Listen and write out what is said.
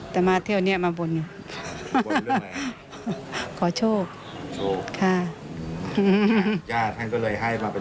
ท่านก็เลยให้มาเป็นเลขเลย